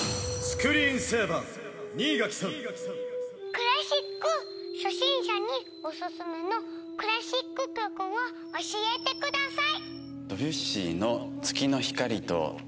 クラシック初心者にお薦めのクラシック曲を教えてください。